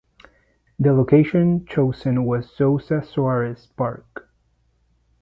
The location chosen was Souza Soares Park.